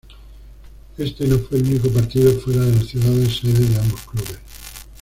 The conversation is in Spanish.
Este no fue el único partido fuera de las ciudades sedes de ambos clubes.